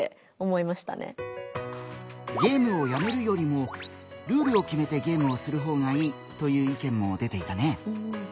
「ゲームをやめるよりもルールを決めてゲームをする方がいい」という意見も出ていたね。